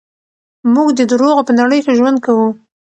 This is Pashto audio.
موږ د دروغو په نړۍ کې ژوند کوو.